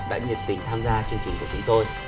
đã nhiệt tình tham gia chương trình của chúng tôi